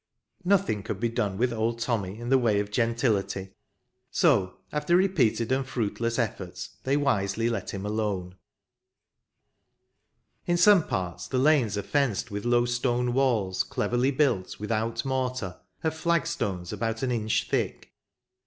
'* Nothing could be done with old Tommy in the way of gentility, so, after repeated and fruitless efforts, they wisely let him alone. Lancashire Memories. In some parts the lanes are fenced with low stone walls, cleverly built, without mortar, of flag stones about an inch thick.